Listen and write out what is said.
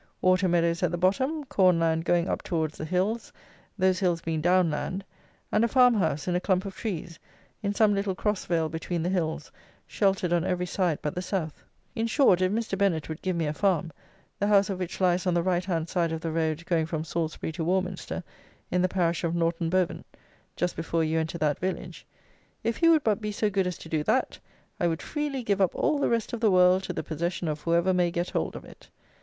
Water meadows at the bottom, corn land going up towards the hills, those hills being Down land, and a farm house, in a clump of trees, in some little cross vale between the hills, sheltered on every side but the south. In short, if Mr. Bennet would give me a farm, the house of which lies on the right hand side of the road going from Salisbury to Warminster, in the parish of Norton Bovant, just before you enter that village; if he would but be so good as to do that, I would freely give up all the rest of the world to the possession of whoever may get hold of it.